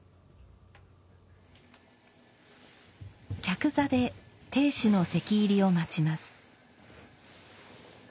客座で亭主の席入りを待ちます。